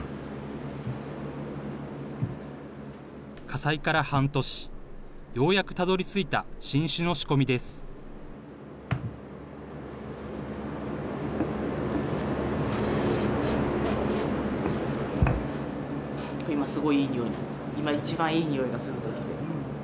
火災から半年、ようやくたどりついた新酒の仕込みです。